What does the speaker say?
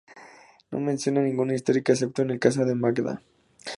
No menciona ninguna historia, excepto en el caso de Magadha.